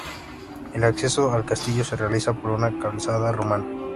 El acceso al castillo se realiza por una calzada romana.